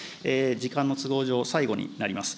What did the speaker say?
時間の都合上、最後になります。